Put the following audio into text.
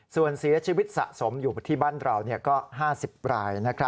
ส่วนเสียชีวิตสะสมอยู่ที่บ้านเราก็๕๐ราย